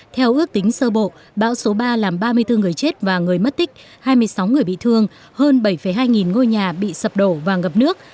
theo ước tính sơ bộ bão số ba làm ba mươi bốn người chết và người mất tích hai mươi sáu người bị thương hơn bảy hai nghìn ngôi nhà bị sập đổ và ngập nước